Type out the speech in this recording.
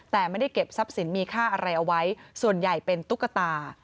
แต่ไม่ได้เก็บทรัพย์สินมีค่าอะไรเอาไว้ส่วนใหญ่เป็นตุ๊กตา